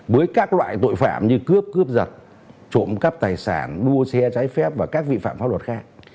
với các loại tội phạm như cướp cướp giật trộm cắp tài sản đua xe trái phép và các vi phạm pháp luật khác